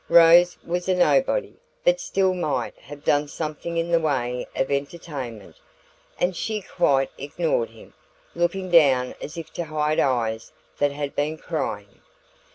Rose was a nobody, but still might have done something in the way of entertainment; and she quite ignored him, looking down as if to hide eyes that had been crying.